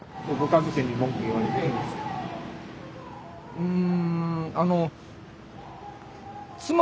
うん。